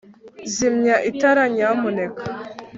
Zimya itara nyamuneka